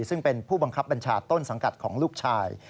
ซึ่งเป็นผู้บังคับบัญชาต้นสังกัดของลูกชาย